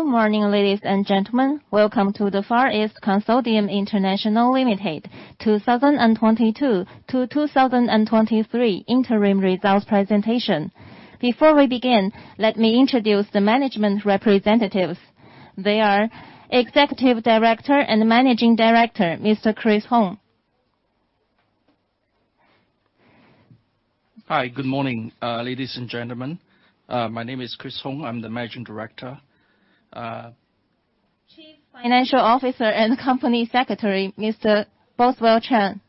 Good morning, ladies and gentlemen. Welcome to the Far East Consortium International Limited 2022 to 2023 interim results presentation. Before we begin, let me introduce the management representatives. They are Executive Director and Managing Director, Mr. Chris Hoong. Hi, good morning, ladies and gentlemen. My name is Chris Hoong, I'm the Managing Director. Chief Financial Officer and Company Secretary, Mr. Boswell Cheung.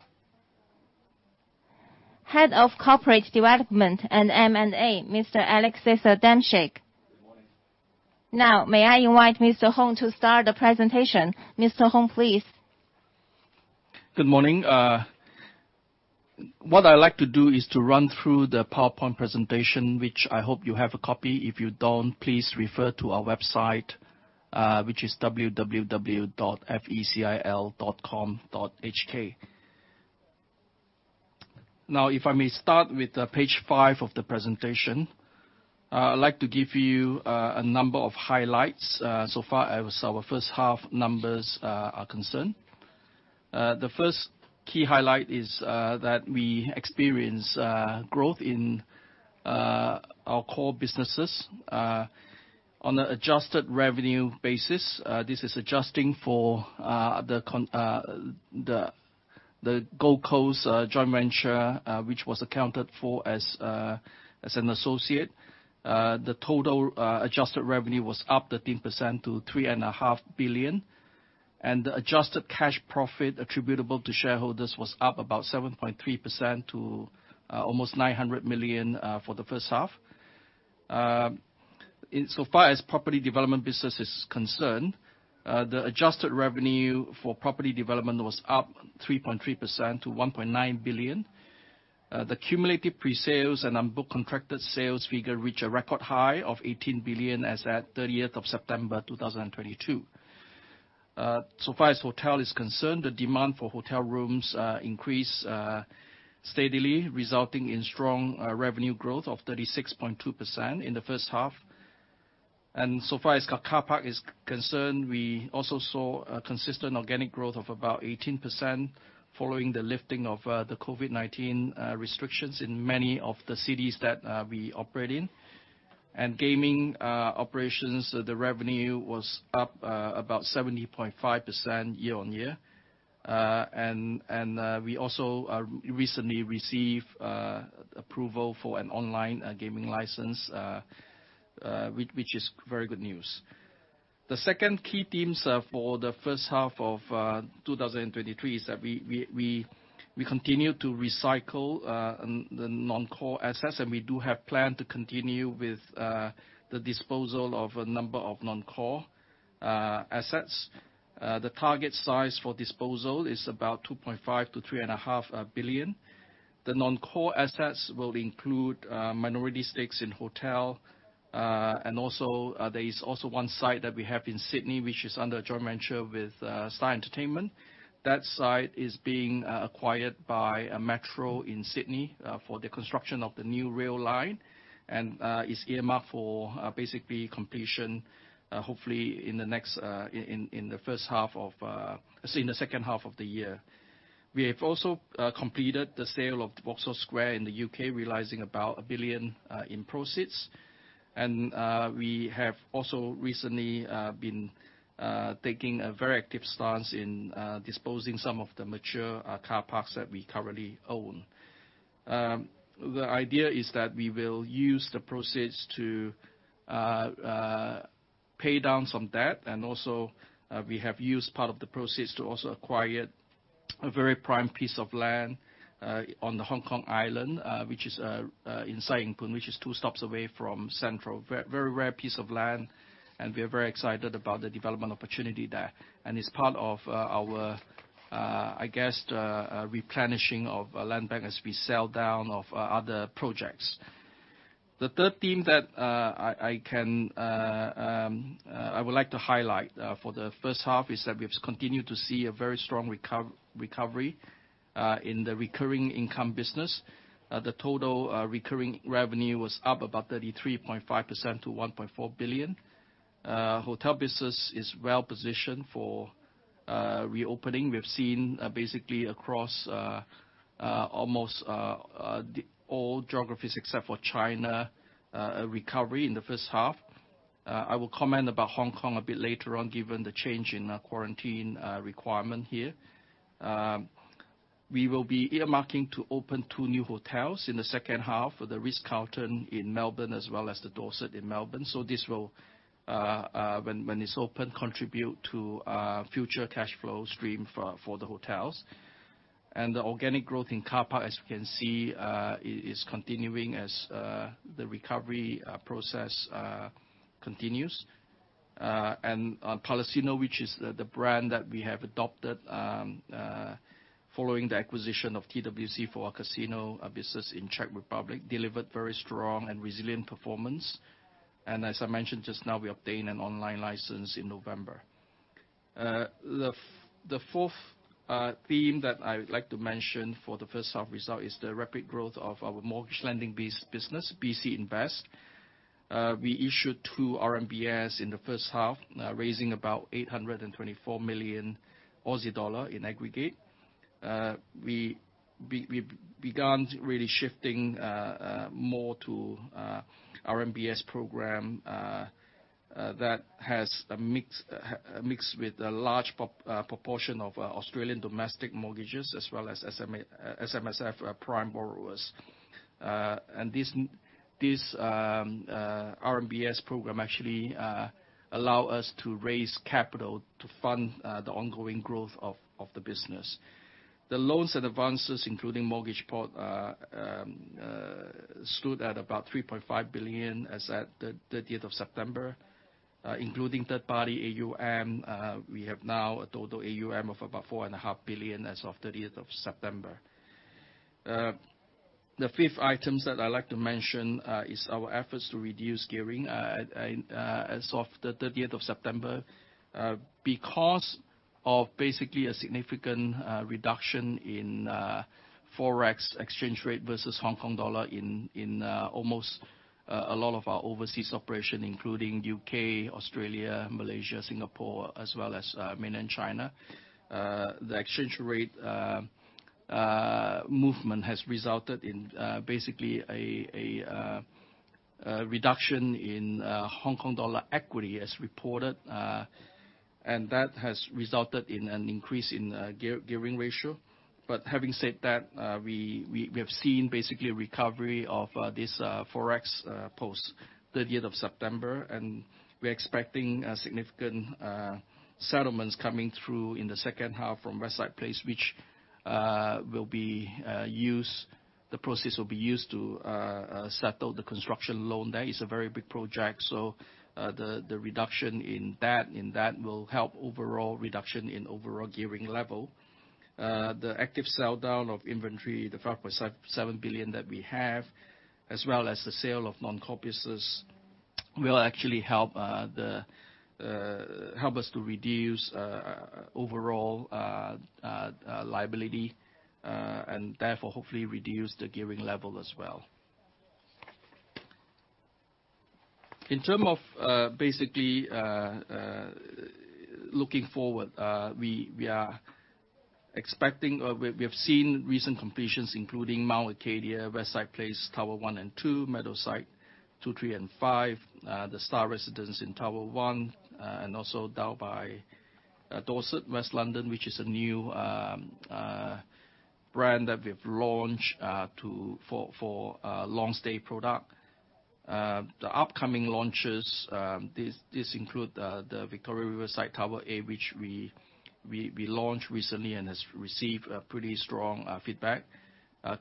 Head of Corporate Development and M&A, Mr. Alexis Adamczyk. Good morning. May I invite Mr. Hoong to start the presentation. Mr. Hoong, please. Good morning. What I'd like to do is to run through the PowerPoint presentation, which I hope you have a copy. If you don't, please refer to our website, which is www.fecil.com.hk. If I may start with page 5 of the presentation. I'd like to give you a number of highlights so far as our first half numbers are concerned. The first key highlight is that we experience growth in our core businesses. On an adjusted revenue basis, this is adjusting for the Gold Coast joint venture, which was accounted for as an associate. The total adjusted revenue was up 13% to three and a half billion. The adjusted cash profit attributable to shareholders was up about 7.3% to almost 900 million for the first half. In so far as property development business is concerned, the adjusted revenue for property development was up 3.3% to 1.9 billion. The cumulative presales and unbooked contracted sales figure reached a record high of 18 billion as at September 30th, 2022. So far as hotel is concerned, the demand for hotel rooms increased steadily, resulting in strong revenue growth of 36.2% in the first half. So far as our car park is concerned, we also saw a consistent organic growth of about 18% following the lifting of the COVID-19 restrictions in many of the cities that we operate in. Gaming operations, the revenue was up about 70.5% year-on-year. We also recently received approval for an online gaming license, which is very good news. The second key themes for the first half of 2023 is that we continue to recycle the non-core assets, and we do have plan to continue with the disposal of a number of non-core assets. The target size for disposal is about 2.5 billion-3.5 billion. The non-core assets will include minority stakes in hotel, and also there is also one site that we have in Sydney, which is under a joint venture with Star Entertainment. That site is being acquired by a metro in Sydney for the construction of the new rail line and is earmarked for basically completion hopefully in the next in the first half of say in the second half of the year. We have also completed the sale of Vauxhall Square in the UK, realising about 1 billion in proceeds. We have also recently been taking a very active stance in disposing some of the mature car parks that we currently own. We will use the proceeds to pay down some debt. We have used part of the proceeds to acquire a very prime piece of land on the Hong Kong Island, which is in Sai Ying Pun, which is 2 stops away from Central. Very rare piece of land, and we are very excited about the development opportunity there. It's part of our, I guess, replenishing of a land bank as we sell down other projects. The third theme that I can highlight for the first half is that we've continued to see a very strong recovery in the recurring income business. The total recurring revenue was up about 33.5% to 1.4 billion. Hotel business is well positioned for reopening. We've seen basically across almost all geographies except for China, a recovery in the first half. I will comment about Hong Kong a bit later on, given the change in quarantine requirement here. We will be earmarking to open 2 new hotels in the second half, The Ritz-Carlton in Melbourne, as well as the Dorsett in Melbourne. This will, when it's open, contribute to future cash flow stream for the hotels. The organic growth in car park, as you can see, is continuing as the recovery process continues. PALASINO, which is the brand that we have adopted, following the acquisition of TWC for our casino business in Czech Republic, delivered very strong and resilient performance. As I mentioned just now, we obtained an online license in November. The fourth theme that I would like to mention for the first half result is the rapid growth of our mortgage lending business, BC Invest. We issued 2 RMBS in the first half, raising about 824 million Aussie dollar in aggregate. We began to really shifting more to RMBS program that has a mix with a large proportion of Australian domestic mortgages as well as SMSF prime borrowers. This RMBS program actually allow us to raise capital to fund the ongoing growth of the business. The loans and advances, including mortgage port, stood at about 3.5 billion as at September 30th. Including third party AUM, we have now a total AUM of about 4.5 billion as of September 30th. The 5th items that I'd like to mention is our efforts to reduce gearing as of September 30th. Because of basically a significant reduction in Forex exchange rate versus Hong Kong dollar almost a lot of our overseas operation, including UK, Australia, Malaysia, Singapore, as well as Mainland China. The exchange rate movement has resulted in basically a reduction in Hong Kong dollar equity as reported. That has resulted in an increase in gearing ratio. Having said that, we have seen basically a recovery of this Forex post September 30th. We're expecting a significant settlements coming through in the second half from Westside Place, which will be the proceeds will be used to settle the construction loan. That is a very big project. The reduction in that will help overall reduction in overall gearing level. The active sell-down of inventory, the 5.7 billion that we have, as well as the sale of non-core business, will actually help the help us to reduce overall liability and therefore, hopefully reduce the gearing level as well. In terms of, basically, looking forward, we are expecting or we have seen recent completions including Mount Arcadia, Westside Place, Tower 1 and 2, MeadowSide 2, 3 and 5, The Star Residences in Tower 1, and also Dao by Dorsett West London, which is a new brand that we've launched to for long stay product. The upcoming launches, this include the Victoria Riverside Tower A, which we launched recently and has received a pretty strong feedback.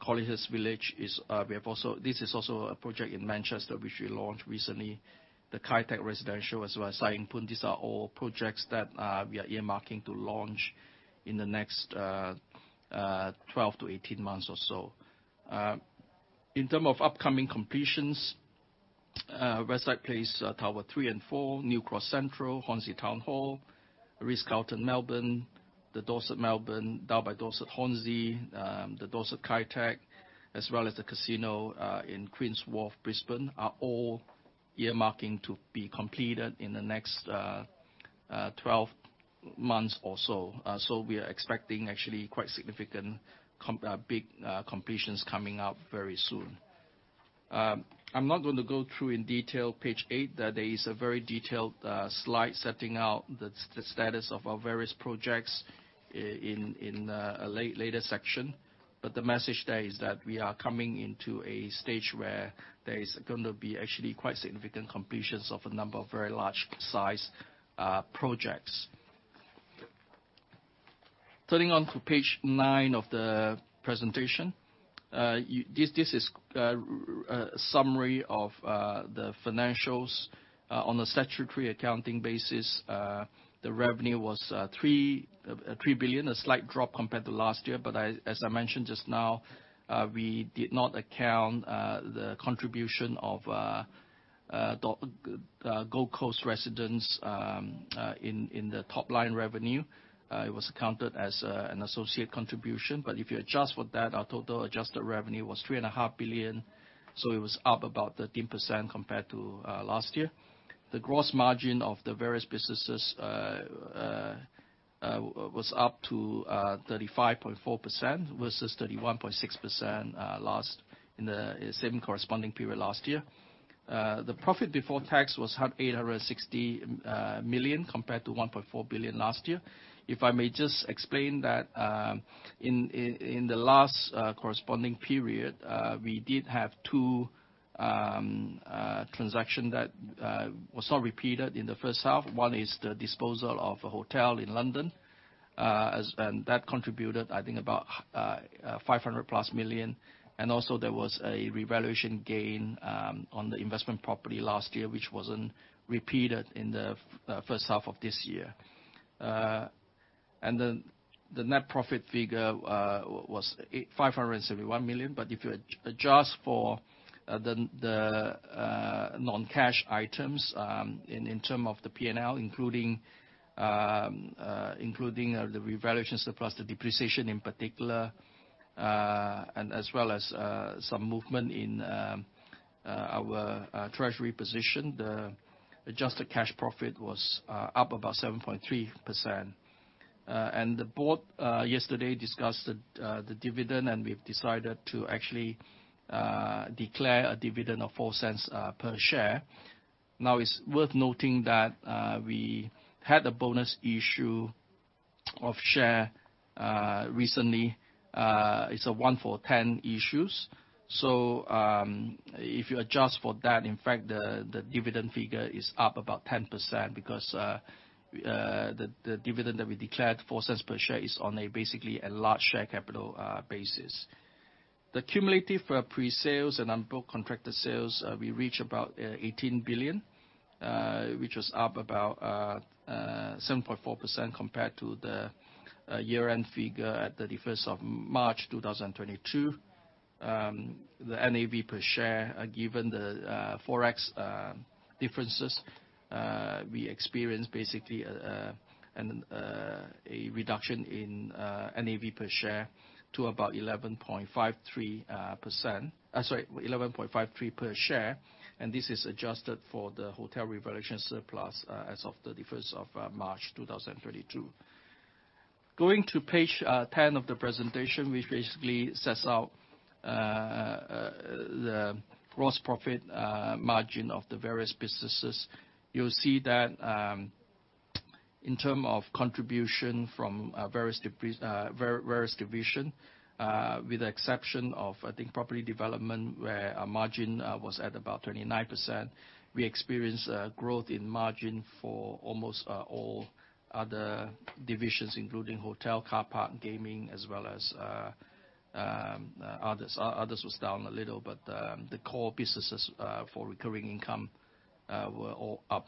Collyhurst Village is also a project in Manchester which we launched recently. The Kai Tak Residential, as well as Sai Ying Pun. These are all projects that we are earmarking to launch in the next 12 to 18 months or so. In terms of upcoming completions, Westside Place, Tower 3 and 4, New Cross Central, Hornsey Town Hall, Ritz-Carlton Melbourne, Dorsett Melbourne, Dao by Dorsett Hornsey, Dorsett Kai Tak, as well as the casino in Queen's Wharf, Brisbane, are all earmarking to be completed in the next 12 months or so. We are expecting actually quite significant big completions coming up very soon. I'm not gonna go through in detail page 8. That is a very detailed slide setting out the status of our various projects in a later section. The message there is that we are coming into a stage where there is gonna be actually quite significant completions of a number of very large size projects. Turning on to page 9 of the presentation. This is a summary of the financials, on a statutory accounting basis, the revenue was 3 billion, a slight drop compared to last year. I, as I mentioned just now, we did not account the contribution of Gold Coast Residence in the top line revenue. It was accounted as an associate contribution. If you adjust for that, our total adjusted revenue was 3.5 billion, it was up about 13% compared to last year. The gross margin of the various businesses was up to 35.4% versus 31.6% in the same corresponding period last year. The profit before tax was 860 million compared to 1.4 billion last year. If I may just explain that, in the last corresponding period, we did have two transaction that was not repeated in the first half. One is the disposal of a hotel in London, and that contributed, I think, about 500+ million. Also there was a revaluation gain on the investment property last year which wasn't repeated in the first half of this year. Then the net profit figure was 571 million. If you adjust for the non-cash items in term of the P&L including the revaluation surplus, the depreciation in particular, and as well as some movement in our treasury position. The adjusted cash profit was up about 7.3%. The board yesterday discussed the dividend, and we've decided to actually declare a dividend of 0.04 per share. Now it's worth noting that we had a bonus issue of share recently. It's a 1 for 10 issues. If you adjust for that, in fact the dividend figure is up about 10% because the dividend that we declared, 0.04 per share, is on a basically a large share capital basis. The cumulative pre-sales and unbooked contracted sales we reach about 18 billion, which was up about 7.4% compared to the year-end figure at 31st of March 2022. The NAV per share, given the Forex differences, we experienced basically a reduction in NAV per share to about 11.53%. Sorry, 11.53 per share, and this is adjusted for the hotel revaluation surplus as of 31st of March 2022. Going to page 10 of the presentation, which basically sets out the gross profit margin of the various businesses. You'll see that in term of contribution from various division, with the exception of I think property development, where our margin was at about 39%. We experienced growth in margin for almost all other divisions, including hotel, car park and gaming, as well as others. Others was down a little, but the core businesses for recurring income were all up.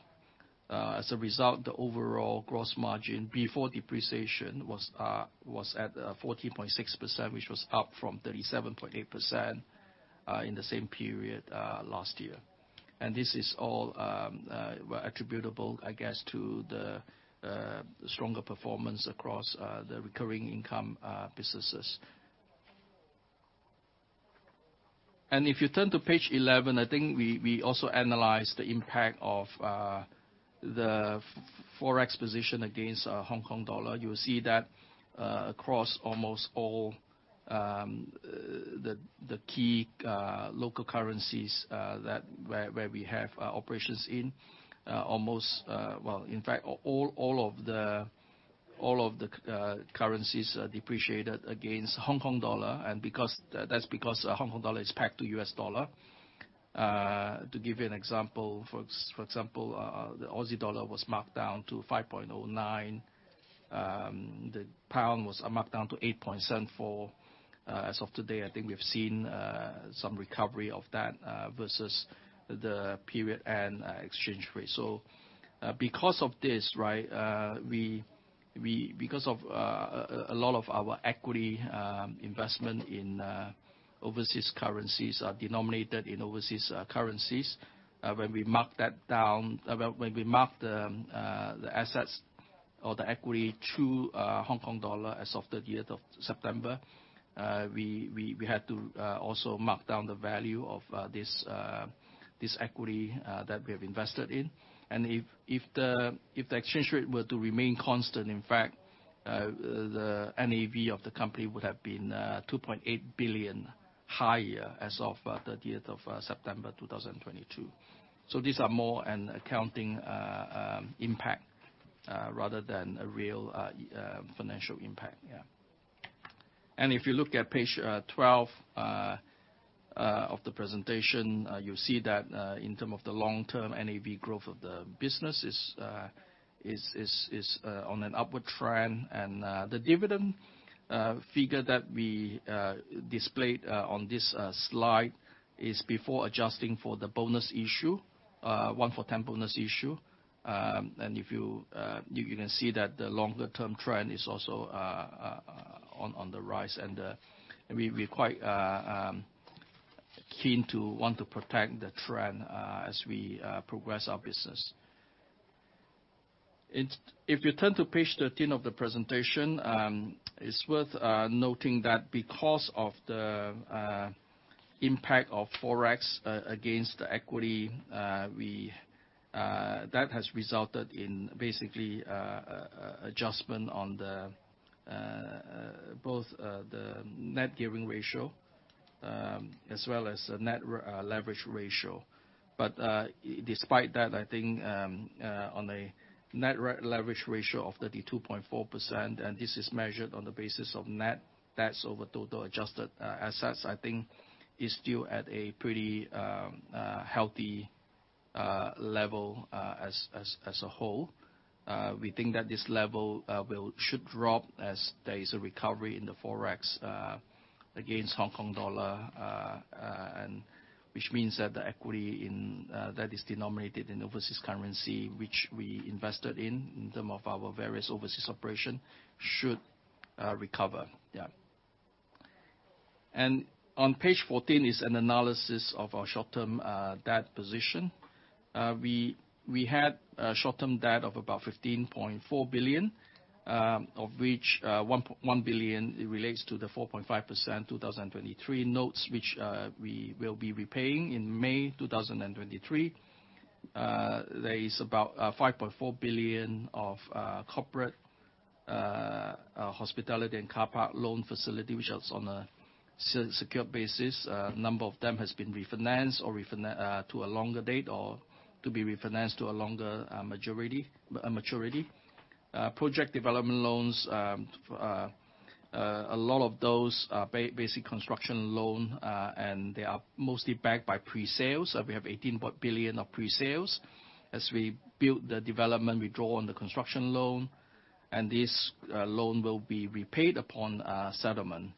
As a result, the overall gross margin before depreciation was at 14.6%, which was up from 37.8% in the same period last year. This is all were attributable, I guess, to the stronger performance across the recurring income businesses. If you turn to page 11, I think we also analyze the impact of the Forex position against Hong Kong dollar. You'll see that across almost all the key local currencies that where we have operations in almost all of the currencies are depreciated against Hong Kong dollar. Because that's because Hong Kong dollar is pegged to US dollar. To give you an example, for example, the AUD was marked down to 5.09. The GBP was marked down to 8.74. As of today, I think we've seen some recovery of that versus the period and exchange rate. Because of this, right, we, because of a lot of our equity investment in overseas currencies are denominated in overseas currencies, when we mark that down, well, when we mark the assets or the equity to HKD as of September 30th, we had to also mark down the value of this equity that we have invested in. If the exchange rate were to remain constant, in fact, the NAV of the company would have been 2.8 billion higher as of September 30th, 2022. These are more an accounting impact rather than a real financial impact. Yeah. If you look at page 12 of the presentation, you'll see that in term of the long-term NAV growth of the business is on an upward trend. The dividend figure that we displayed on this slide is before adjusting for the bonus issue, one for 10 bonus issue. If you can see that the longer-term trend is also on the rise. We're quite keen to want to protect the trend as we progress our business. If you turn to page 13 of the presentation, it's worth noting that because of the impact of Forex against the equity, that has resulted in basically, adjustment on both the net gearing ratio, as well as the net leverage ratio. Despite that, I think, on a net leverage ratio of 32.4%, and this is measured on the basis of net debts over total adjusted assets, I think is still at a pretty healthy level as a whole. We think that this level should drop as there is a recovery in the Forex against Hong Kong dollar, which means that the equity in that is denominated in overseas currency, which we invested in term of our various overseas operation, should recover. On page 14 is an analysis of our short-term debt position. We had a short-term debt of about 15.4 billion, of which 1 billion relates to the 4.5% 2023 notes, which we will be repaying in May 2023. There is about 5.4 billion of corporate hospitality and car park loan facility, which is on a secure basis. A number of them has been refinanced or to a longer date or to be refinanced to a longer maturity. Project development loans, a lot of those are basic construction loan, and they are mostly backed by presales. We have 18 billion of presales. As we build the development, we draw on the construction loan, and this loan will be repaid upon settlement.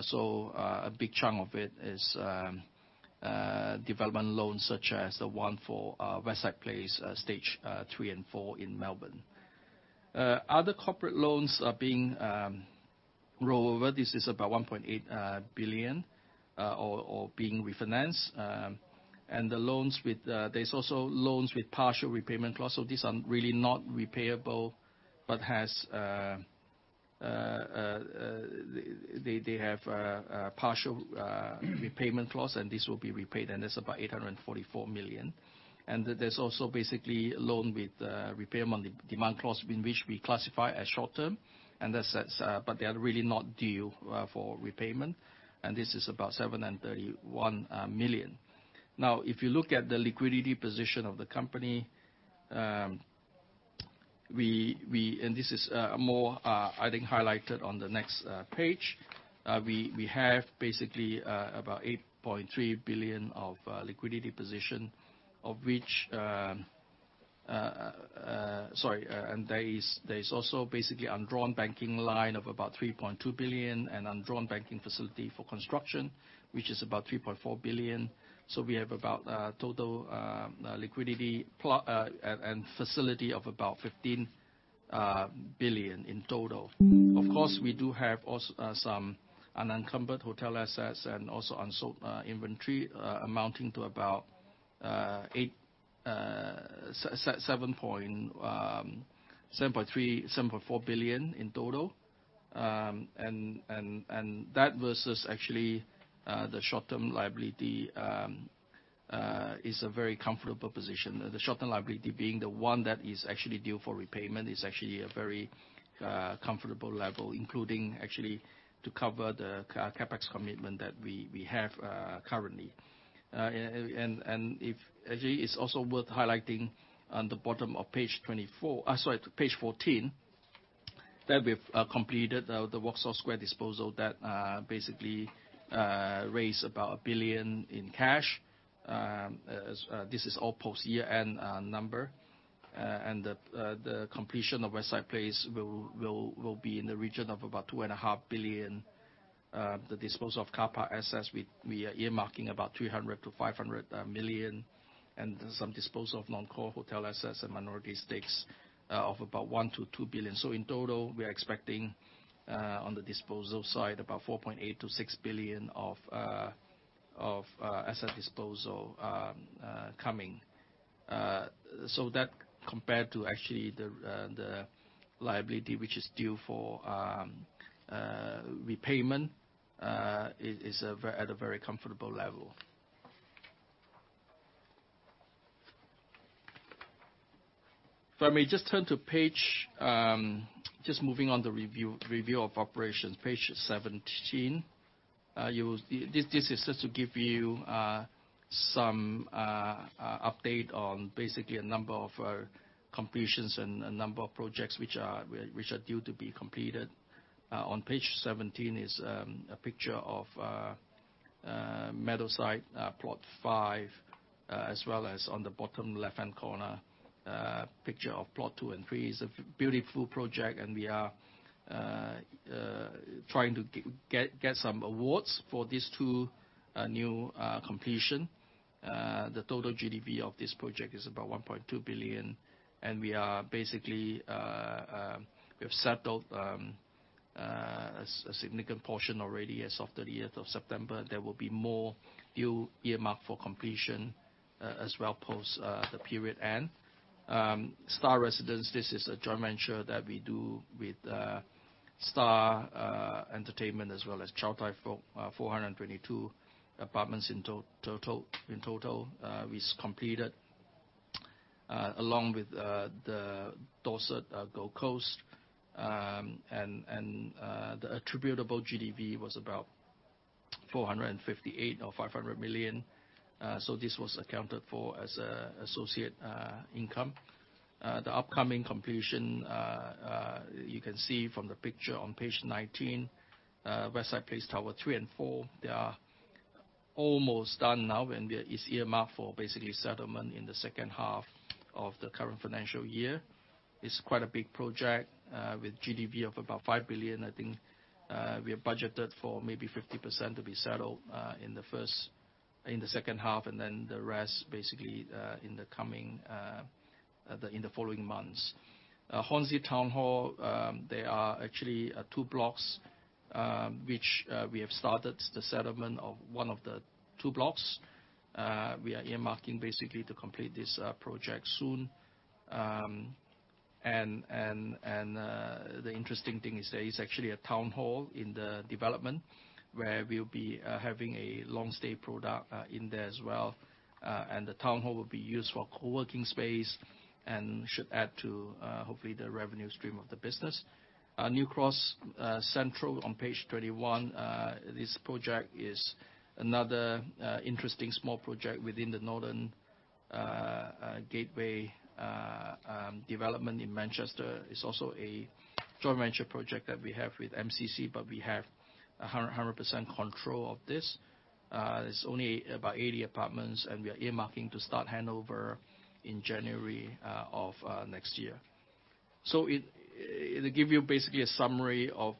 So, a big chunk of it is development loans, such as the one for Westside Place, stage three and four in Melbourne. Other corporate loans are being rolled over. This is about 1.8 billion or being refinanced. The loans with, there's also loans with partial repayment clause. These are really not repayable but has, they have a partial repayment clause, and this will be repaid, and that's about 844 million. There's also basically loan with repayment on de-demand clause, in which we classify as short-term, and assets, but they are really not due for repayment, and this is about 731 million. If you look at the liquidity position of the company, we and this is more, I think, highlighted on the next page. We have basically about 8.3 billion of liquidity position, of which, sorry, there is also basically undrawn banking line of about 3.2 billion and undrawn banking facility for construction, which is about 3.4 billion. We have about total liquidity and facility of about 15 billion in total. We do have also some unencumbered hotel assets and also unsold inventory amounting to about 7.3 billion, 7.4 billion in total. That versus actually the short-term liability is a very comfortable position. The short-term liability being the one that is actually due for repayment is actually a very comfortable level, including actually to cover the CapEx commitment that we have currently. Actually, it's also worth highlighting on the bottom of page 24, sorry, page 14, that we've completed the Vauxhall Square disposal that basically raised about 1 billion in cash. This is all post-year-end number. The completion of Westside Place will be in the region of about 2.5 billion. The disposal of car park assets, we are earmarking about 300 million-500 million, and some disposal of non-core hotel assets and minority stakes of about 1 billion-2 billion. In total, we are expecting, on the disposal side, about 4.8 billion-6 billion of asset disposal coming. That compared to actually the liability, which is due for repayment, is at a very comfortable level. If I may just turn to page, just moving on the review of operations, page 17. You will see. This is just to give you some update on basically a number of completions and a number of projects which are due to be completed. On page 17 is a picture of MeadowSide, plot 5, as well as on the bottom left-hand corner, picture of plot 2 and 3. It's a beautiful project. We are trying to get some awards for these two new completion. The total GDV of this project is about 1.2 billion. We are basically, we have settled a significant portion already as of September 30th. There will be more due earmarked for completion as well, post the period end. Star Residence, this is a joint venture that we do with Star Entertainment as well as Chow Tai Fook. 422 apartments in total was completed along with the Dorsett Gold Coast. The attributable GDV was about 458 million or 500 million. This was accounted for as associate income. The upcoming completion, you can see from the picture on page 19, Westside Place, Tower 3 and 4, they are almost done now, and it's earmarked for basically settlement in the second half of the current financial year. It's quite a big project, with GDV of about 5 billion. I think, we have budgeted for maybe 50% to be settled in the second half, and then the rest basically, in the coming, in the following months. Hornsey Town Hall, there are actually two blocks, which we have started the settlement of one of the two blocks. We are earmarking basically to complete this project soon. The interesting thing is there is actually a town hall in the development where we'll be having a long stay product in there as well. The town hall will be used for co-working space and should add to hopefully the revenue stream of the business. New Cross Central on page 21. This project is another interesting small project within the Northern Gateway development in Manchester. It's also a joint venture project that we have with MCC, but we have 100 percent control of this. It's only about 80 apartments, and we are earmarking to start handover in January of next year. It'll give you basically a summary of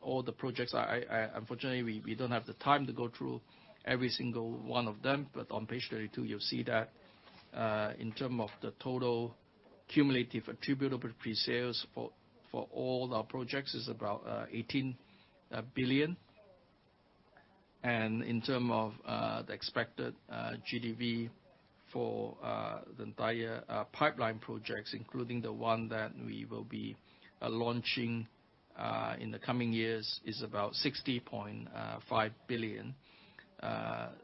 all the projects. Unfortunately, we don't have the time to go through every single one of them, but on page 22, you'll see that in terms of the total cumulative attributable pre-sales for all our projects is about 18 billion. In terms of the expected GDV for the entire pipeline projects, including the one that we will be launching in the coming years, is about 60.5 billion.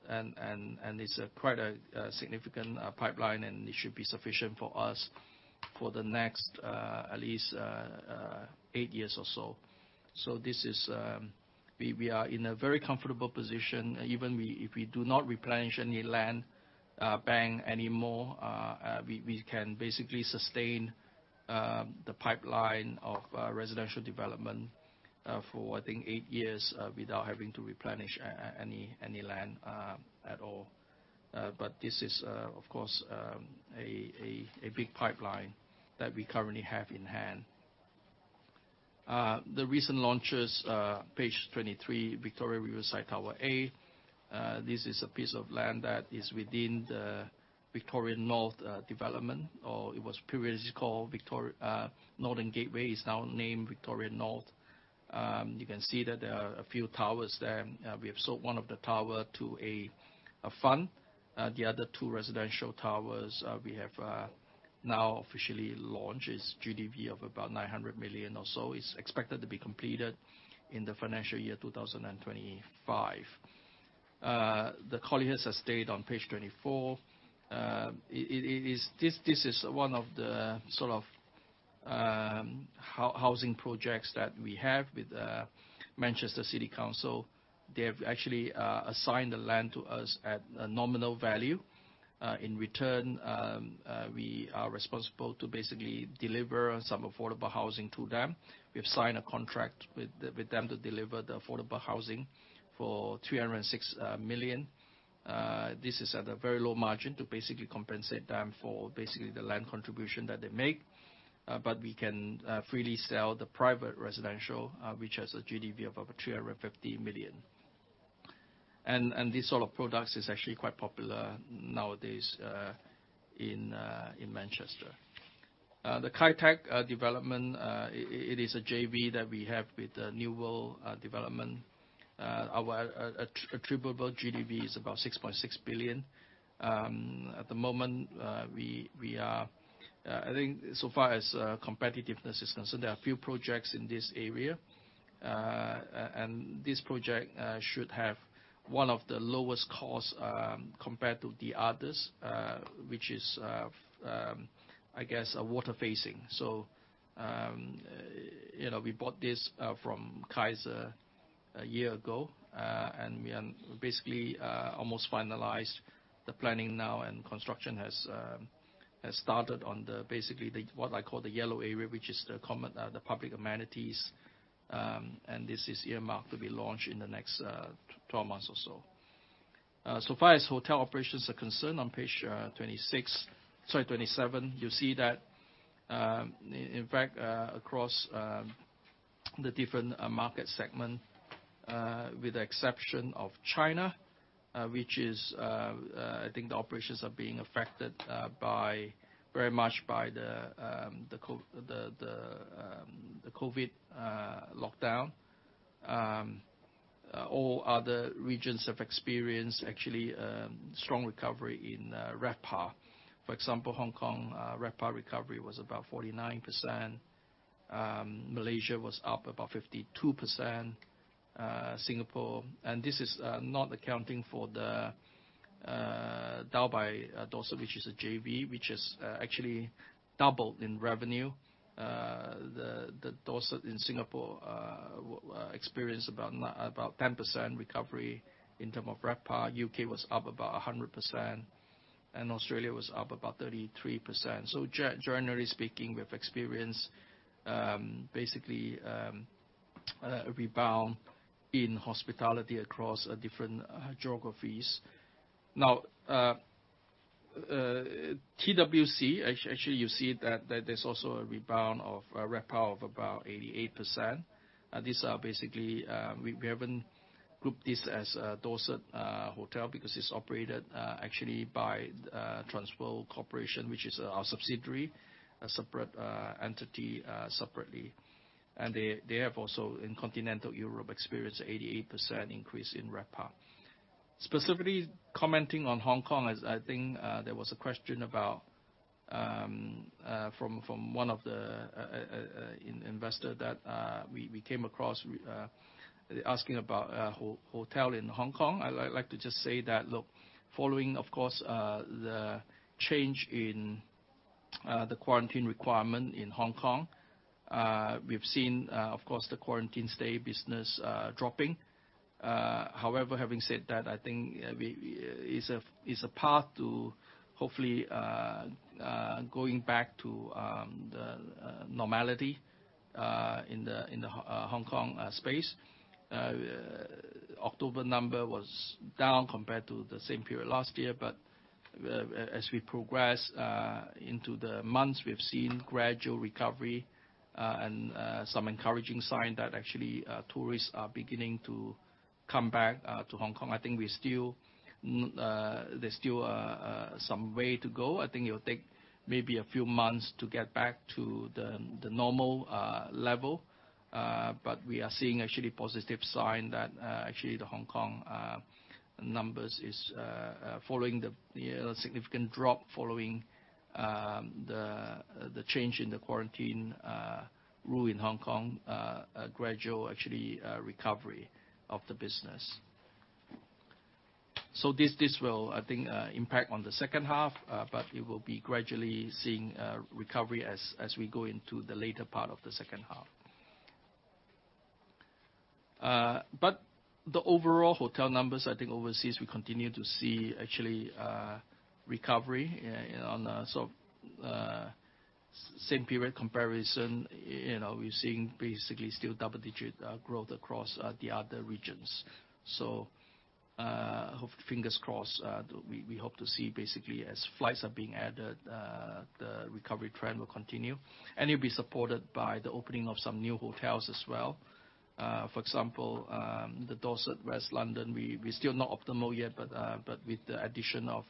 And it's quite a significant pipeline, and it should be sufficient for us for the next at least eight years or so. This is. We are in a very comfortable position. Even we, if we do not replenish any land bank anymore, we can basically sustain the pipeline of residential development for I think eight years without having to replenish any land at all. This is, of course, a big pipeline that we currently have in hand. The recent launches, page 23, Victoria Riverside Tower A. This is a piece of land that is within the Victoria North development, or it was previously called Northern Gateway. It's now named Victoria North. You can see that there are a few towers there, and we have sold one of the tower to a fund. The other two residential towers, we have now officially launched. It's GDV of about 900 million or so. It's expected to be completed in the financial year 2025. The Collyhurst Estate on page 24. It is this is one of the sort of housing projects that we have with Manchester City Council. They have actually assigned the land to us at a nominal value. In return, we are responsible to basically deliver some affordable housing to them. We have signed a contract with them to deliver the affordable housing for 306 million. This is at a very low margin to basically compensate them for basically the land contribution that they make. But we can freely sell the private residential, which has a GDV of about 350 million. These sort of products is actually quite popular nowadays in Manchester. The Kai Tak development, it is a JV that we have with New World Development. Our attributable GDV is about 6.6 billion. At the moment, we are... I think so far as competitiveness is concerned, there are a few projects in this area. This project should have one of the lowest costs compared to the others, which is, I guess a water facing. You know, we bought this from Kaisa Group a year ago, and we are basically almost finalized the planning now, and construction has started on the, basically the, what I call the yellow area, which is the common, the public amenities. This is earmarked to be launched in the next 12 months or so. So far as hotel operations are concerned, on page 26, sorry, 27, you see that, in fact, across the different market segment, with the exception of China, which is, I think the operations are being affected very much by the COVID lockdown. All other regions have experienced actually strong recovery in RevPAR. For example, Hong Kong RevPAR recovery was about 49%. Malaysia was up about 52%. Singapore, and this is not accounting for the Dao by Dorsett, which is a JV, which has actually doubled in revenue. The Dorsett in Singapore experienced about 10% recovery in term of RevPAR. UK was up about 100%. Australia was up about 33%. Generally speaking, we've experienced basically a rebound in hospitality across different geographies. Now, TWC, actually you see that there's also a rebound of RevPAR of about 88%. These are basically, we haven't grouped this as a Dorsett hotel, because it's operated actually by Transworld Corporation, which is our subsidiary, a separate entity separately. They have also in Continental Europe experienced 88% increase in RevPAR. Specifically commenting on Hong Kong, as I think there was a question about from one of the investor that we came across asking about hotel in Hong Kong. I'd like to just say that, look, following, of course, the change in the quarantine requirement in Hong Kong, we've seen, of course, the quarantine stay business dropping. However, having said that, I think it's a path to hopefully going back to the normality in the Hong Kong space. October number was down compared to the same period last year. As we progress into the months, we've seen gradual recovery and some encouraging sign that actually tourists are beginning to come back to Hong Kong. I think we still there's still some way to go. I think it'll take maybe a few months to get back to the normal level. We are seeing actually positive sign that actually the Hong Kong numbers is following the, you know, significant drop following the change in the quarantine rule in Hong Kong, a gradual actually recovery of the business. This will, I think, impact on the second half, it will be gradually seeing recovery as we go into the later part of the second half. But the overall hotel numbers, I think overseas, we continue to see actually recovery on the same period comparison, you know, we're seeing basically still double-digit growth across the other regions. So, fingers crossed, we hope to see basically as flights are being added, the recovery trend will continue. And it will be supported by the opening of some new hotels as well. For example, the Dorsett West London, we are still not optimal yet, but with the addition of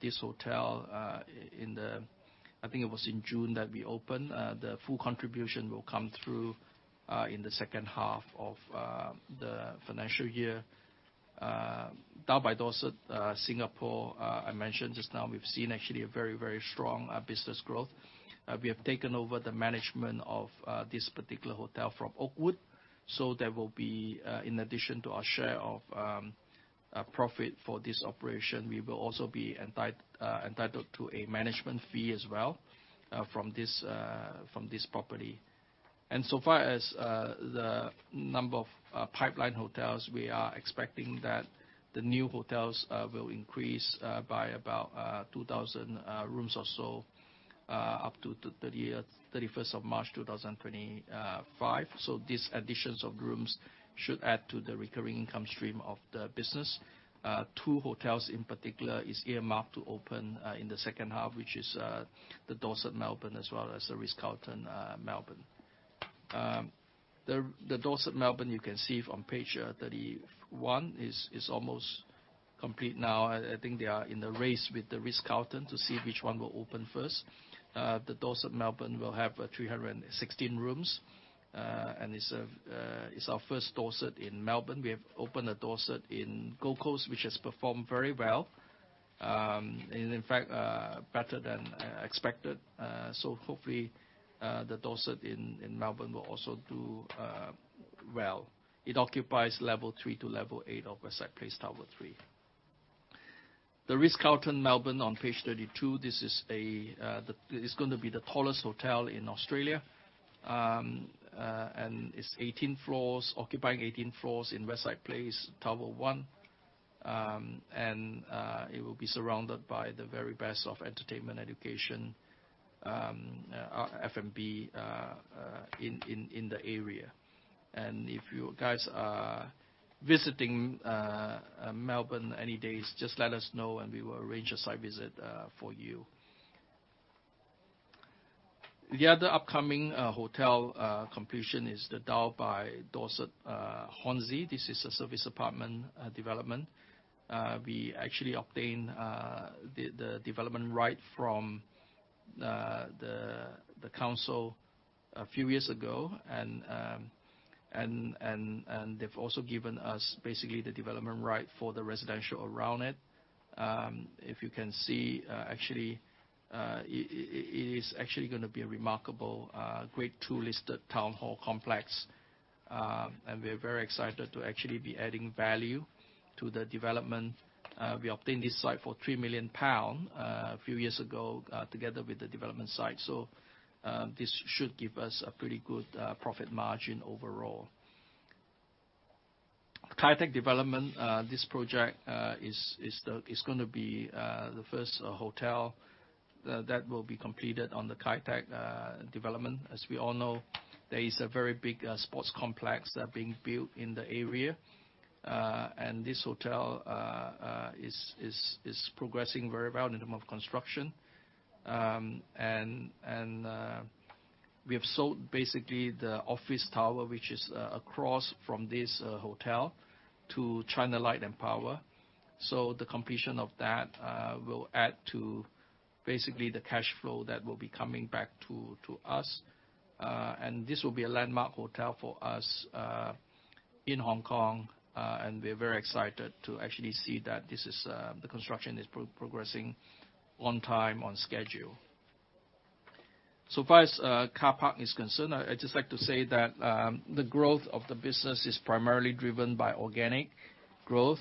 this hotel, I think it was in June that we opened, the full contribution will come through in the second half of the financial year. Dao by Dorset, Singapore, I mentioned just now we've seen actually a very, very strong business growth. We have taken over the management of this particular hotel from Oakwood. There will be, in addition to our share of profit for this operation, we will also be entitled to a management fee as well, from this, from this property. So far as the number of pipeline hotels, we are expecting that the new hotels will increase by about 2,000 rooms or so, up to the 31st of March 2025. These additions of rooms should add to the recurring income stream of the business. Two hotels in particular is earmarked to open in the second half, which is the Dorsett Melbourne as well as The Ritz-Carlton Melbourne. The Dorsett Melbourne, you can see from page 31, is almost complete now. I think they are in the race with The Ritz-Carlton to see which one will open first. The Dorsett Melbourne will have 316 rooms, and it's our first Dorsett in Melbourne. We have opened a Dorsett in Gold Coast, which has performed very well. In fact, better than expected. Hopefully, the Dorsett in Melbourne will also do well. It occupies level 3 to level 8 of Westside Place Tower 3. The Ritz-Carlton Melbourne on page 32, this is the tallest hotel in Australia. It's 18 floors, occupying 18 floors in Westside Place Tower 1. It will be surrounded by the very best of entertainment, education, F&B in the area. If you guys are visiting Melbourne any days, just let us know, and we will arrange a site visit for you. The other upcoming hotel completion is the Dao by Dorset Hornsey. This is a service apartment development. We actually obtained the development right from the council a few years ago. They've also given us basically the development right for the residential around it. If you can see, actually, it is actually gonna be a remarkable Grade II listed town hall complex. We're very excited to actually be adding value to the development. We obtained this site for 3 million pounds a few years ago together with the development site. This should give us a pretty good profit margin overall. Kai Tak Development, this project is gonna be the first hotel that will be completed on the Kai Tak development. As we all know, there is a very big sports complex that are being built in the area. This hotel is progressing very well in term of construction. We have sold basically the office tower, which is across from this hotel to China Light and Power. The completion of that will add to basically the cash flow that will be coming back to us. This will be a landmark hotel for us in Hong Kong. We're very excited to actually see that this is the construction is progressing on time, on schedule. Far as car park is concerned, I'd just like to say that the growth of the business is primarily driven by organic growth.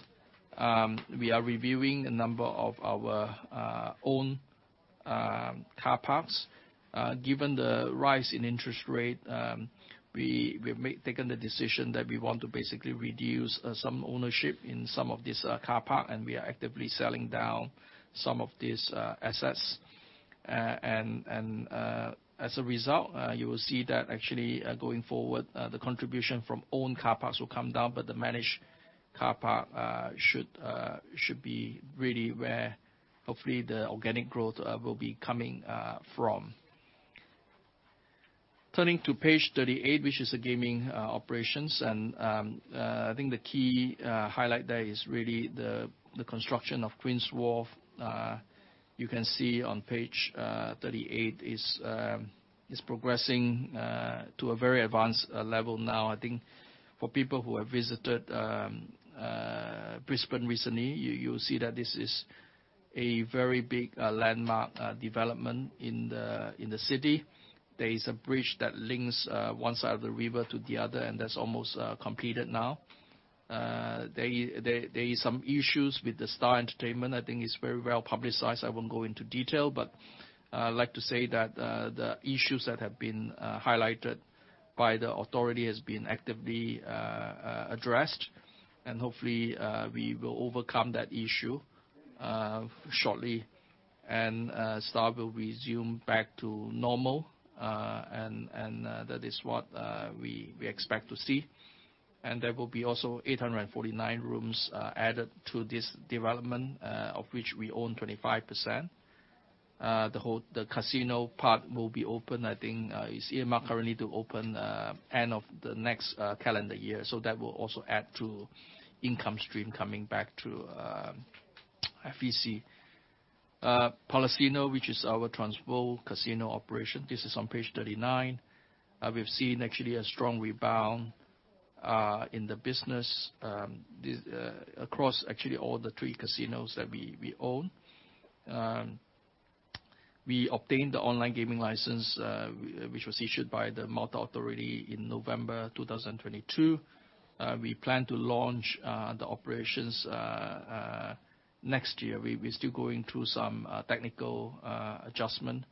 We are reviewing a number of our own car parks. Given the rise in interest rate, we've taken the decision that we want to basically reduce some ownership in some of this car park, and we are actively selling down some of these assets. As a result, you will see that actually, going forward, the contribution from owned car parks will come down, but the managed car park should be really where, hopefully the organic growth will be coming from. Turning to page 38, which is the gaming operations. I think the key highlight there is really the construction of Queen's Wharf. You can see on page 38 is progressing to a very advanced level now. I think for people who have visited Brisbane recently, you will see that this is a very big landmark development in the city. There is a bridge that links one side of the river to the other, and that's almost completed now. There is some issues with The Star Entertainment Group, I think it's very well publicized. I won't go into detail. I'd like to say that the issues that have been highlighted by the authority has been actively addressed. Hopefully, we will overcome that issue shortly. The Star will resume back to normal. That is what we expect to see. There will be also 849 rooms added to this development, of which we own 25%. The casino part will be open, I think, it's earmarked currently to open end of the next calendar year. That will also add to income stream coming back to FEC. PALASINO, which is our Transworld casino operation. This is on page 39. We've seen actually a strong rebound in the business. This across actually all the three casinos that we own. We obtained the online gaming license, which was issued by the Malta authority in November 2022. We plan to launch the operations next year. We're still going through some technical adjustment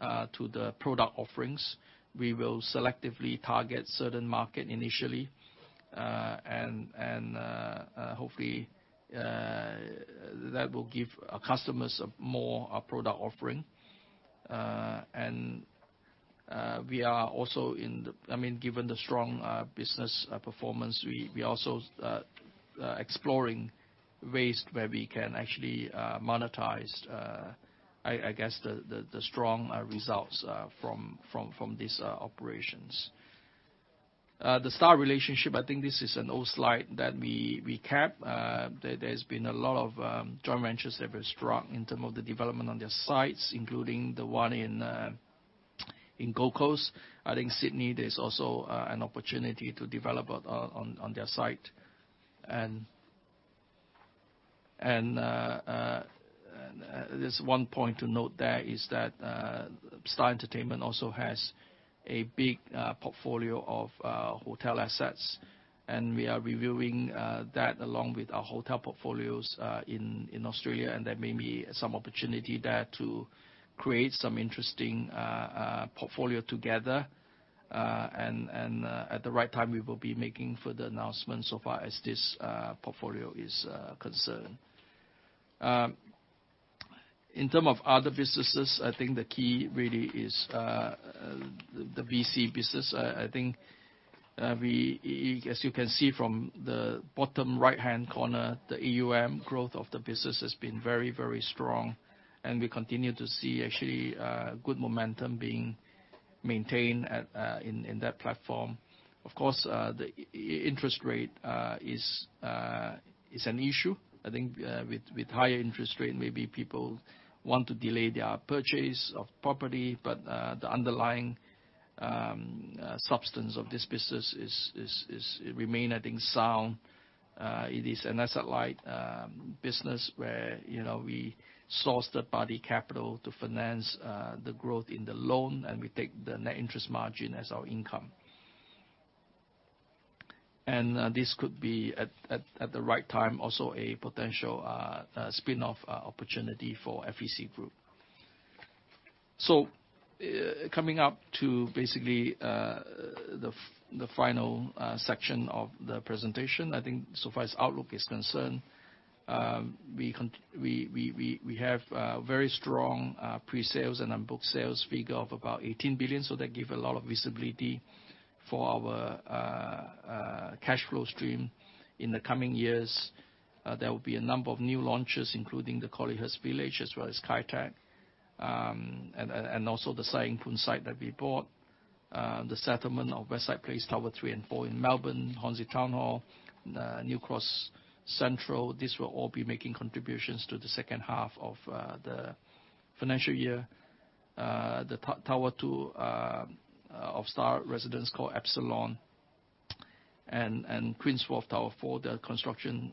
to the product offerings. We will selectively target certain market initially. Hopefully, that will give our customers a more product offering. We are also I mean, given the strong business performance, we also exploring ways where we can actually monetize I guess the strong results from these operations. The Star relationship, I think this is an old slide that we recap. There, there's been a lot of joint ventures that were struck in term of the development on their sites, including the one in Gold Coast. I think Sydney, there's also an opportunity to develop on their site. There's one point to note there is that Star Entertainment also has a big portfolio of hotel assets, and we are reviewing that along with our hotel portfolios in Australia. There may be some opportunity there to create some interesting portfolio together. At the right time, we will be making further announcements so far as this portfolio is concerned. In term of other businesses, I think the key really is the VC business. I think, as you can see from the bottom right-hand corner, the AUM growth of the business has been very, very strong, and we continue to see actually good momentum being maintained in that platform. Of course, the interest rate is an issue. I think, with higher interest rate, maybe people want to delay their purchase of property. The underlying substance of this business is remain, I think, sound. It is an asset-light business where, you know, we source third-party capital to finance the growth in the loan, and we take the net interest margin as our income. This could be at the right time, also a potential spin-off opportunity for FEC Group. Coming up to basically the final section of the presentation, I think so far as outlook is concerned, we have very strong presales and unbooked sales figure of about 18 billion. That give a lot of visibility for our cash flow stream in the coming years. There will be a number of new launches, including the Collyhurst Village as well as Kai Tak. And also the Sai Ying Pun site that we bought. The settlement of Westside Place, Tower 3 and 4 in Melbourne, Hornsey Town Hall, New Cross Central, these will all be making contributions to the second half of the financial year. The Tower 2 of The Star Residences called Epsilon and Queen's Wharf Tower 4, the construction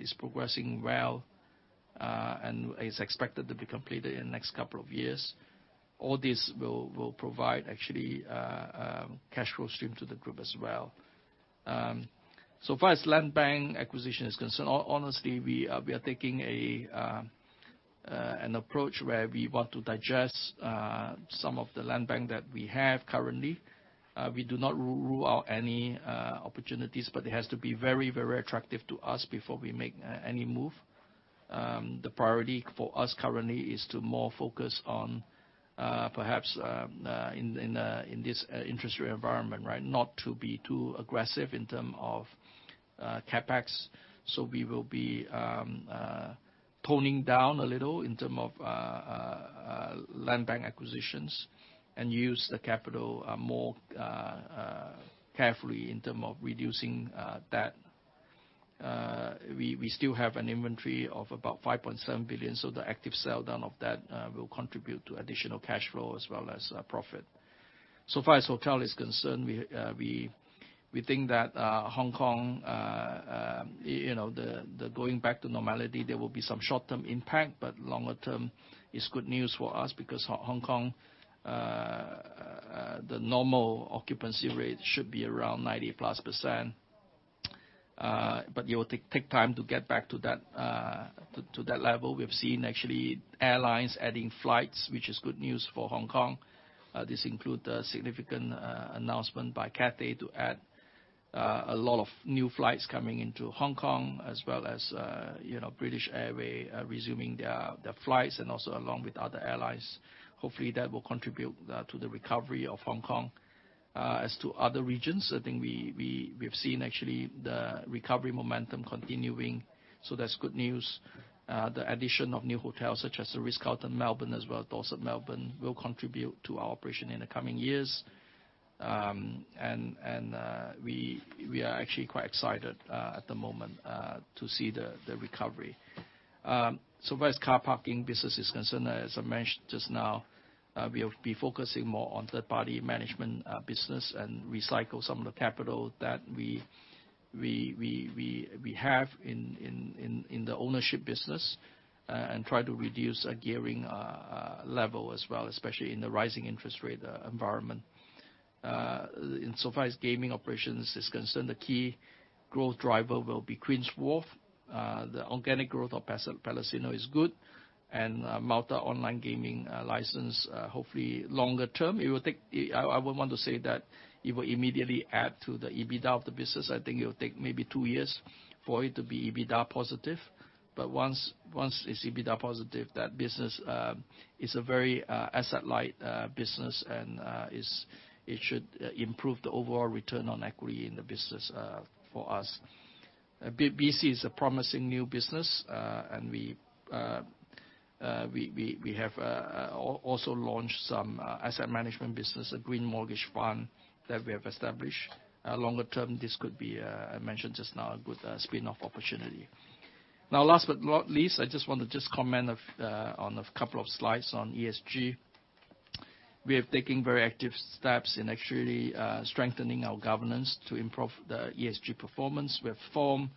is progressing well and is expected to be completed in the next couple of years. All this will provide actually cash flow stream to the group as well. Far as land bank acquisition is concerned, honestly, we are taking an approach where we want to digest some of the land bank that we have currently. We do not rule out any opportunities, but it has to be very, very attractive to us before we make any move. The priority for us currently is to more focus on perhaps in this interest rate environment, right? Not to be too aggressive in term of CapEx. We will be toning down a little in terms of land bank acquisitions and use the capital more carefully in terms of reducing debt. We still have an inventory of about 5.7 billion, so the active sell down of that will contribute to additional cash flow as well as profit. Far as hotel is concerned, we think that Hong Kong, you know, the going back to normality, there will be some short-term impact, but longer-term it's good news for us because Hong Kong the normal occupancy rate should be around 90%+. It will take time to get back to that level. We've seen actually airlines adding flights, which is good news for Hong Kong. This include a significant announcement by Cathay to add a lot of new flights coming into Hong Kong as well as, you know, British Airways resuming their flights and also along with other airlines. Hopefully that will contribute to the recovery of Hong Kong. As to other regions, I think we've seen actually the recovery momentum continuing, so that's good news. The addition of new hotels such as The Ritz-Carlton Melbourne as well as Dorsett Melbourne will contribute to our operation in the coming years. We are actually quite excited at the moment to see the recovery. So far as car parking business is concerned, as I mentioned just now, we'll be focusing more on third-party management business and recycle some of the capital that we have in the ownership business and try to reduce our gearing level as well, especially in the rising interest rate environment. Insofar as gaming operations is concerned, the key growth driver will be Queen's Wharf. The organic growth of PALASINO is good, and Malta online gaming license, hopefully longer term, it will take. I won't want to say that it will immediately add to the EBITDA of the business. I think it will take maybe two years for it to be EBITDA positive. Once it's EBITDA positive, that business is a very asset-light business and it should improve the overall return on equity in the business for us. BC is a promising new business and we have also launched some asset management business, a green mortgage fund that we have established. Longer term, this could be, I mentioned just now, a good spin-off opportunity. Last but not least, I just want to just comment of on a couple of slides on ESG. We have taken very active steps in actually strengthening our governance to improve the ESG performance. We have formed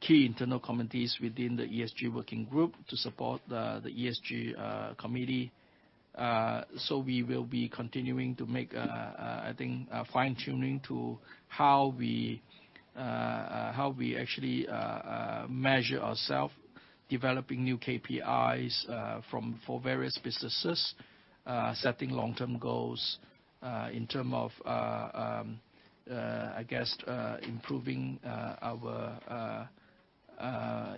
key internal committees within the ESG working group to support the ESG committee. We will be continuing to make, I think, fine-tuning to how we actually measure ourself, developing new KPIs, for various businesses, setting long-term goals, in term of, I guess, improving, our,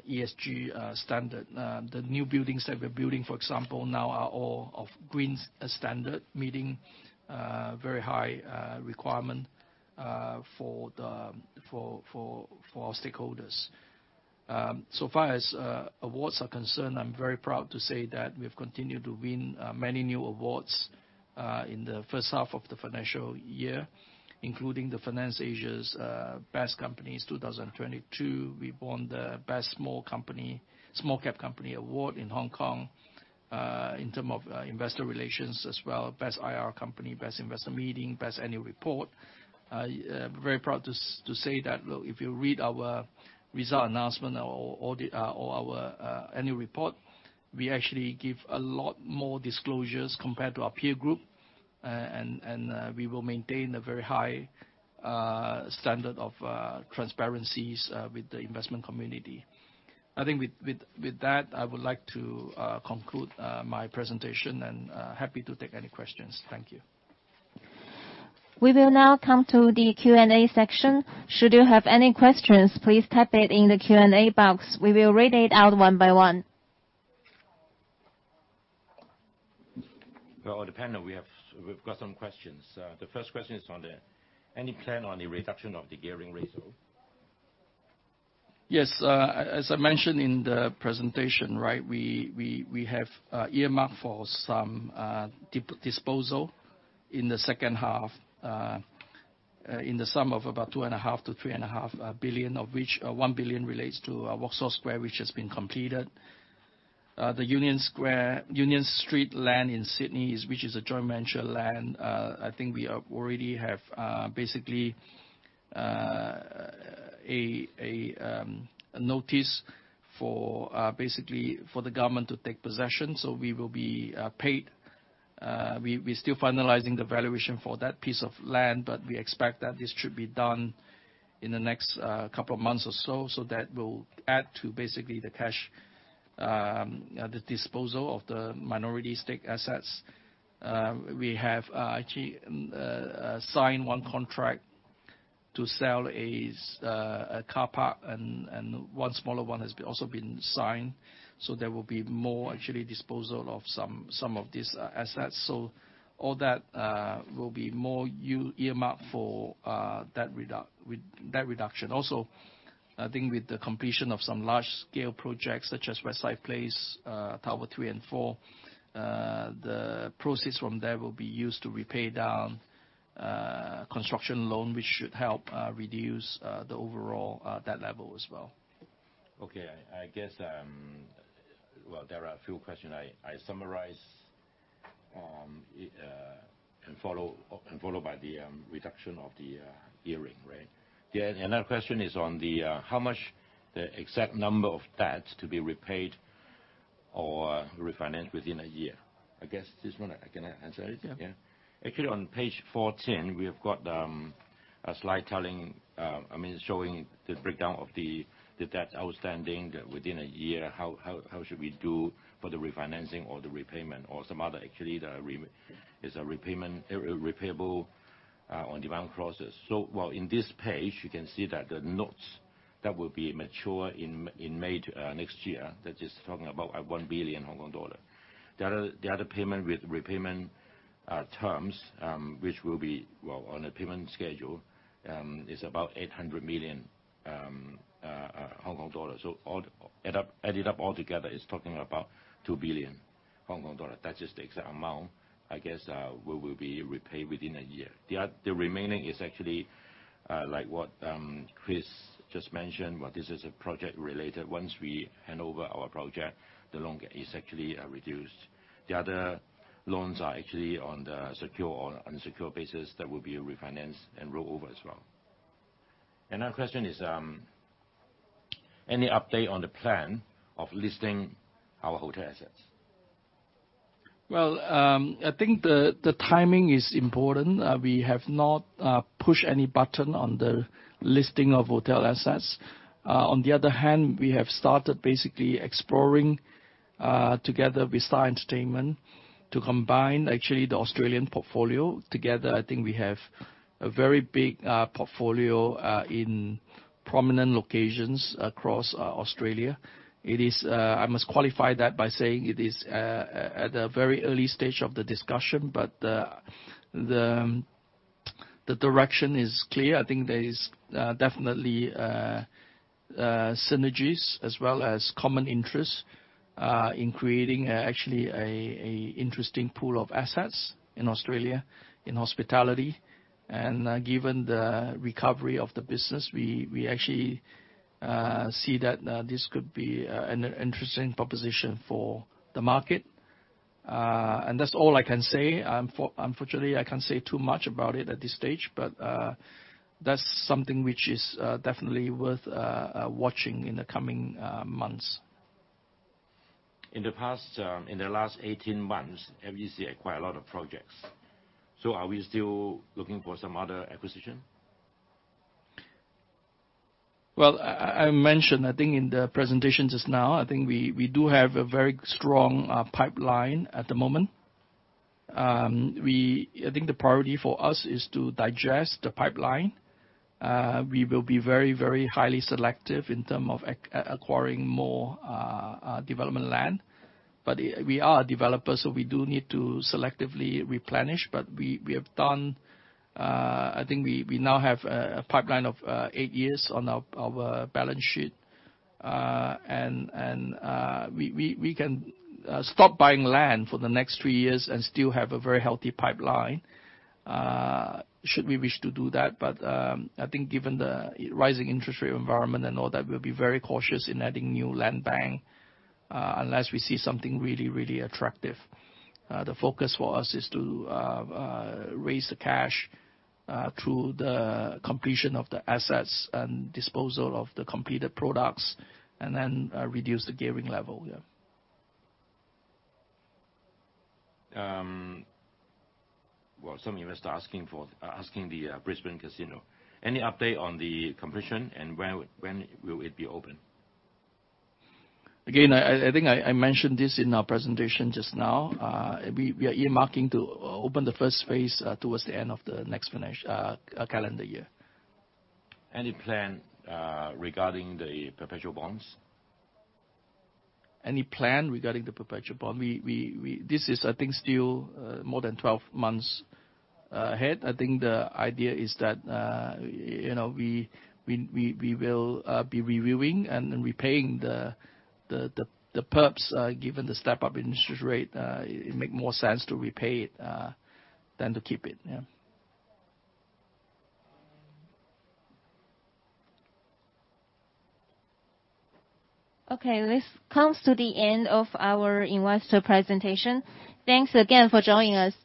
ESG, standard. The new buildings that we're building, for example, now are all of green standard, meeting, very high, requirement, for our stakeholders. So far as, awards are concerned, I'm very proud to say that we've continued to win, many new awards, in the first half of the financial year, including the FinanceAsia's, Best Companies 2022. We won the Best Small Company, Small Cap Company award in Hong Kong. In term of investor relations as well, Best IR Company, Best Investor Meeting, Best Annual Report. very proud to say that, look, if you read our result announcement or the or our annual report, we actually give a lot more disclosures compared to our peer group. We will maintain a very high standard of transparencies with the investment community. I think with that, I would like to conclude my presentation and happy to take any questions. Thank you. We will now come to the Q&A section. Should you have any questions, please type it in the Q&A box. We will read it out one by one. Well, we've got some questions. Any plan on the reduction of the gearing ratio? Yes. As I mentioned in the presentation. We have earmarked for some disposal in the second half, in the sum of about 2.5 billion-3.5 billion of which 1 billion relates to Vauxhall Square, which has been completed. The Union Street land in Sydney is, which is a joint venture land. I think we already have basically a notice for basically for the government to take possession. We will be paid. We are still finalizing the valuation for that piece of land, but we expect that this should be done in the next couple of months or so. That will add to basically the cash, the disposal of the minority stake assets. We have actually signed one contract to sell a car park and one smaller one has also been signed. There will be more actually disposal of some of these assets. All that will be more earmarked for debt reduction. Also, I think with the completion of some large scale projects such as Westside Place, Tower 3 and 4, the proceeds from there will be used to repay down construction loan which should help reduce the overall debt level as well. Okay. I guess, well, there are a few question I summarize, and followed by the reduction of the gearing, right? Yeah. Another question is on the how much the exact number of debt to be repaid or refinanced within 1 year? I guess this one I can answer it. Yeah. Yeah. Actually, on page 14 we have got a slide telling, I mean, showing the breakdown of the debt outstanding within a year. How should we do for the refinancing or the repayment or some other actually it's a repayment repayable on demand process. While in this page you can see that the notes that will be mature in May next year, that is talking about 1 billion Hong Kong dollar. The other payment with repayment terms, which will be, well, on a payment schedule, is about HKD 800 million. Added up all together, it's talking about 2 billion Hong Kong dollars. That's just the exact amount, I guess, we will be repaid within a year. The remaining is actually, like what Chris just mentioned. This is a project related. Once we hand over our project, the loan is actually reduced. The other loans are actually on the secure or unsecured basis that will be refinanced and roll over as well. Another question is, any update on the plan of listing our hotel assets? Well, I think the timing is important. We have not pushed any button on the listing of hotel assets. On the other hand, we have started basically exploring together with The Star Entertainment Group to combine actually the Australian portfolio. Together, I think we have a very big portfolio in prominent locations across Australia. It is, I must qualify that by saying it is at a very early stage of the discussion, but the direction is clear. I think there is definitely synergies as well as common interests in creating actually a interesting pool of assets in Australia in hospitality. Given the recovery of the business, we actually see that this could be an interesting proposition for the market. That's all I can say. Unfortunately, I can't say too much about it at this stage. That's something which is definitely worth watching in the coming months. In the past, in the last 18 months, we see quite a lot of projects. Are we still looking for some other acquisition? I mentioned, I think in the presentation just now, we do have a very strong pipeline at the moment. I think the priority for us is to digest the pipeline. We will be very, very highly selective in term of acquiring more development land. We are a developer, so we do need to selectively replenish. We have done, I think we now have a pipeline of eight years on our balance sheet. And we can stop buying land for the next three years and still have a very healthy pipeline should we wish to do that. I think given the rising interest rate environment and all that, we'll be very cautious in adding new land bank, unless we see something really, really attractive. The focus for us is to raise the cash, through the completion of the assets and disposal of the completed products, and then reduce the gearing level. Yeah. Some investors are asking the Brisbane Casino, any update on the completion and where, when will it be open? Again, I think I mentioned this in our presentation just now. We are earmarking to open the first phase towards the end of the next calendar year. Any plan, regarding the perpetual bonds? Any plan regarding the perpetual bond? This is, I think, still more than 12 months ahead. I think the idea is that, you know, we will be reviewing and then repaying the perps. Given the step up interest rate, it make more sense to repay it than to keep it. Yeah. This comes to the end of our investor presentation. Thanks again for joining us